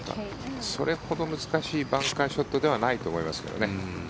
それほど難しいバンカーショットではないと思いますけどね。